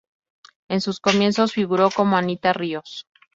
En sus comienzos figuró como Anita Ríos.